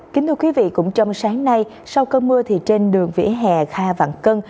kính thưa quý vị cũng trong sáng nay sau cơn mưa thì trên đường vỉa hè kha vạn cân